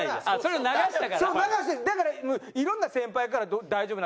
だからいろんな先輩から「大丈夫なんか？」。